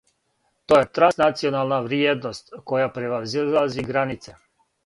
То је транснационална вриједност, која превазилази границе.